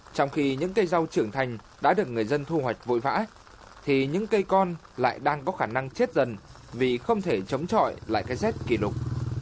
trong khi những cây rau trưởng thành đã được người dân thu hoạch vội vã thì những cây con lại đang có khả năng chết dần vì không thể chống trọi lại cái rét kỷ lục